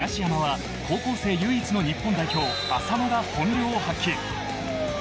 東山は高校生雄一の日本代表麻野が本領を発揮。